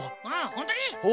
ほんとに！